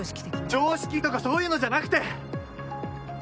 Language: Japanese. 常識とかそういうのじゃなくて！